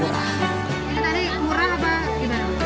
ini tarik murah apa ibarat